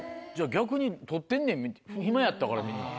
逆に取ってんねん暇やったからみんな。